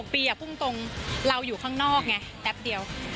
ปีพูดตรงเราอยู่ข้างนอกไงแป๊บเดียว